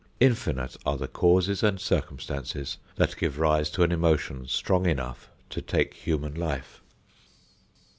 Infinite are the causes and circumstances that give rise to an emotion strong enough to take human life.